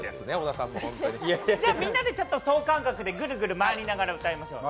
みんなで等間隔でぐるぐる周りながら踊りましょう。